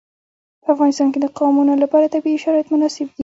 په افغانستان کې د قومونه لپاره طبیعي شرایط مناسب دي.